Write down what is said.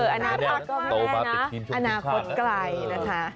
อันนี้ก็โตมาเป็นทีมช่วงสุดขาด